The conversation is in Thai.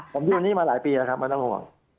ผมอยู่นี่มาหลายปีแล้วครับไม่ต้องห่วง